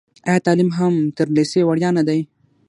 آیا تعلیم هم تر لیسې وړیا نه دی؟